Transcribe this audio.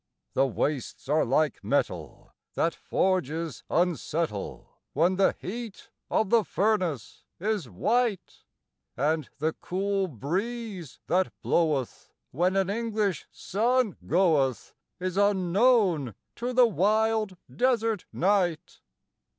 The wastes are like metal that forges unsettle When the heat of the furnace is white; And the cool breeze that bloweth when an English sun goeth, Is unknown to the wild desert night.